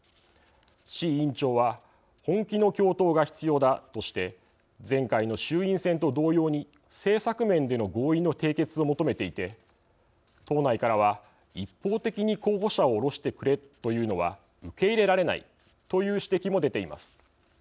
志位委員長は本気の共闘が必要だとして前回の衆院選と同様に政策面での合意の締結を求めていて党内からは一方的に候補者を降ろしてくれというのは受け入れられないという指摘も出ています。